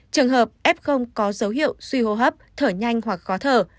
trường hợp f có dấu hiệu suy hô hấp thở nhanh hoặc khó thở